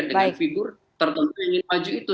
dengan figur tertentu yang ingin maju itu